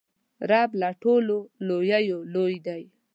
رب له ټولو لویو لوی دئ.